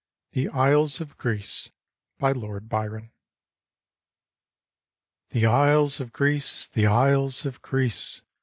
THE ISLES OF GREECE BY LORD BYRON The isles of Greece! the isles of Greece!